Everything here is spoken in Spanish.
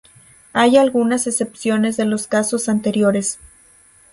Hay algunas excepciones de los casos anteriores.